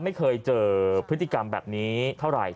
ไม่เคยเจอพฤติกรรมแบบนี้เท่าไหร่